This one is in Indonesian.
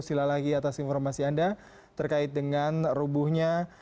sila lagi atas informasi anda terkait dengan rubuhnya